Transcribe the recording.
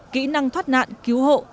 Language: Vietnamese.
kỹ năng thoát nạn cứu hộ